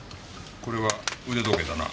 これは腕時計だな。